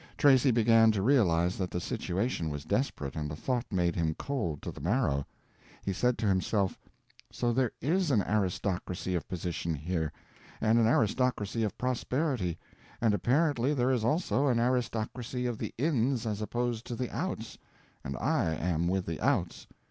Tracy began to realize that the situation was desperate, and the thought made him cold to the marrow. He said to himself, "So there is an aristocracy of position here, and an aristocracy of prosperity, and apparently there is also an aristocracy of the ins as opposed to the outs, and I am with the outs.